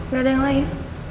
gak ada yang lain